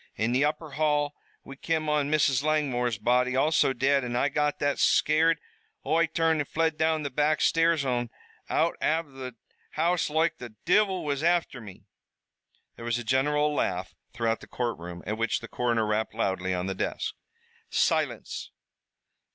In the upper hall we kim on Mrs. Langmore's body, also dead, an' I got that scared Oi turned an' flew down the back stairs an' out av the house loike the divil was afther me!" There was a general laugh throughout the courtroom, at which the coroner rapped loudly on the desk. "Silence.